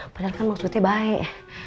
padahal kan maksudnya baik